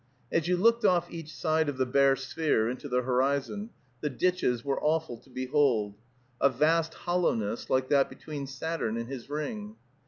As you looked off each side of the bare sphere into the horizon, the ditches were awful to behold, a vast hollowness, like that between Saturn and his ring.